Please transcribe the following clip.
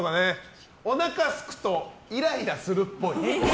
おなかすくとイライラするっぽい。